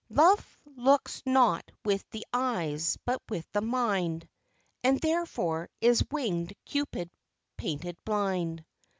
_ "Love looks not with the eyes, but with the mind, And therefore is wing'd Cupid painted blind."